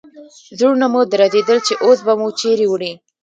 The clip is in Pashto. زړونه مو درزېدل چې اوس به مو چیرې وړي.